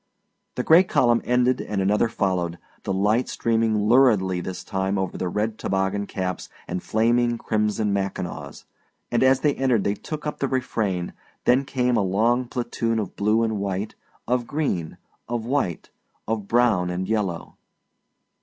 The gray column ended and another followed, the light streaming luridly this time over red toboggan caps and flaming crimson mackinaws, and as they entered they took up the refrain; then came a long platoon of blue and white, of green, of white, of brown and yellow.